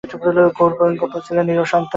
গৌর গোপাল রায় ছিলেন নিঃসন্তান।